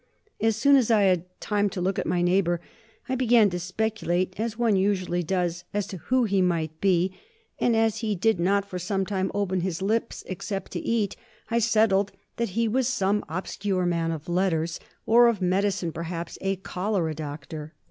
As soon as I had time to look at my neighbor, I began to speculate, as one usually does, as to who he might be, and as he did not for some time open his lips except to eat, I settled that he was some obscure man of letters, or of medicine, perhaps a cholera doctor.